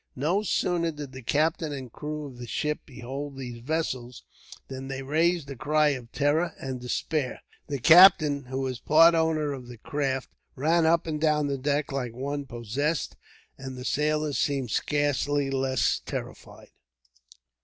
No sooner did the captain and crew of the ship behold these vessels, than they raised a cry of terror and despair. The captain, who was part owner of the craft, ran up and down the deck like one possessed, and the sailors seemed scarcely less terrified.